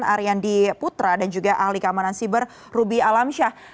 ariandi putra dan juga ahli keamanan siber ruby alamsyah